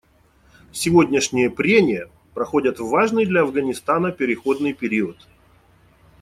Сегодняшние прения проходят в важный для Афганистана переходный период.